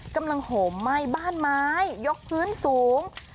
กำลังห่มไหม้บ้านไม้ยกพื้นสูง